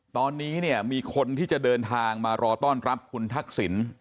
ตอนนี้เนี่ยมีคนที่จะเดินทางมารอต้อนรับคุณทักษิณ